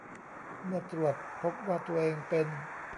เมื่อตรวจพบว่าตัวเองเป็น